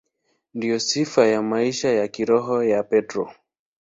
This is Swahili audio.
Ndiyo sifa ya maisha ya kiroho ya Petro.